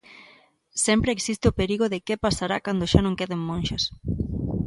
Sempre existe o perigo de que pasará cando xa non queden monxas.